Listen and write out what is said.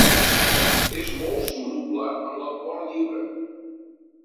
És molt soluble en l'alcohol lliure.